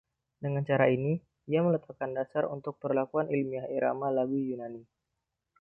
Dengan cara ini, ia meletakkan dasar untuk perlakuan ilmiah irama lagu Yunani.